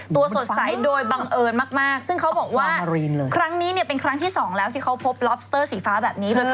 สดใสโดยบังเอิญมากซึ่งเขาบอกว่าครั้งนี้เนี่ยเป็นครั้งที่สองแล้วที่เขาพบล็อบสเตอร์สีฟ้าแบบนี้เลยค่ะ